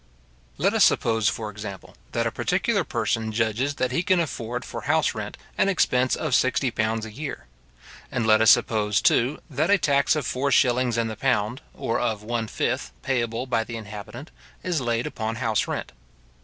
Let us suppose, for example, that a particular person judges that he can afford for house rent all expense of sixty pounds a year; and let us suppose, too, that a tax of four shillings in the pound, or of one fifth, payable by the inhabitant, is laid upon house rent.